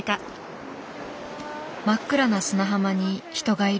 真っ暗な砂浜に人がいる。